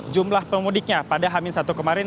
jumlah pemudiknya pada hamin satu kemarin